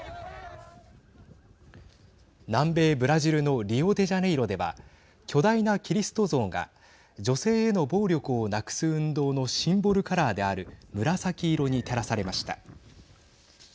南米ブラジルのリオデジャネイロでは巨大なキリスト像が女性への暴力をなくす運動のシンボルカラーである紫色に照らされました。